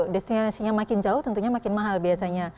destinasinya makin jauh tentunya makin mahal biasanya